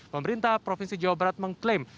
pemerintah provinsi jawa barat mengklaim